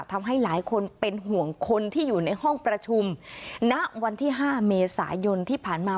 ทำให้หลายคนเป็นห่วงคนที่อยู่ในห้องประชุมณวันที่๕เมษายนที่ผ่านมา